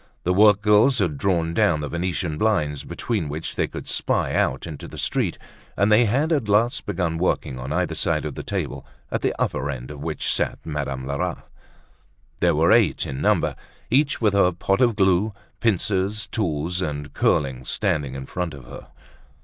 The workgirls had drawn down the Venetian blinds, between which they could spy out into the street; and they had at last begun working on either side of the table, at the upper end of which sat Madame Lerat. They were eight in number, each with her pot of glue, pincers, tools and curling stand in front of her.